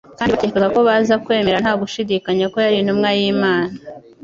kandi bakekaga ko baza kwemera nta gushidikanya ko yari intumwa y'Imana.